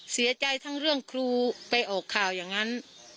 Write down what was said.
เสียใจทั้งเรื่องครูไปออกข่าวอย่างนั้น